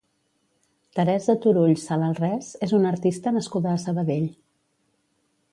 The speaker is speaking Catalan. Teresa Turull Salalrès és una artista nascuda a Sabadell.